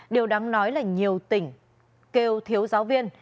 điều đáng nói là nhiều tỉnh kêu thiếu giáo viên